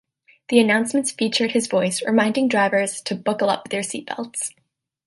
The announcements featured his voice reminding drivers to "buckle up" their seat belts.